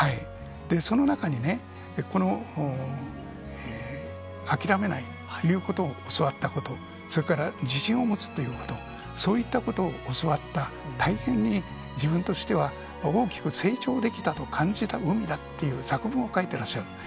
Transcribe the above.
その中に、この諦めないということを教わったこと、それから自信を持つということ、そういったことを教わった、大変に自分としては大きく成長できますと感じた海だと作文を書いてらっしゃるんです。